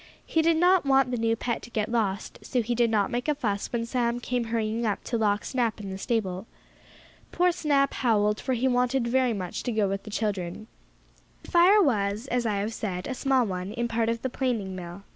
He did not want the new pet to get lost, so he did not make a fuss when Sam came hurrying up to lock Snap in the stable. Poor Snap howled, for he wanted very much to go with the children. The fire was, as I have said, a small one, in part of the planing mill.